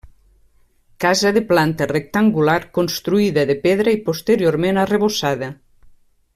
Casa de planta rectangular construïda de pedra i posteriorment arrebossada.